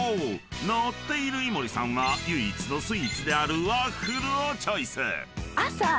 ［ノッている井森さんは唯一のスイーツであるワッフルをチョイス］